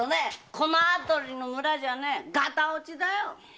このあたりの村じゃガタ落ちよ！